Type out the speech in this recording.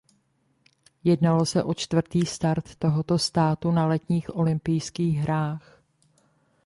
Jednalo se o čtvrtý start tohoto státu na letních olympijských hrách.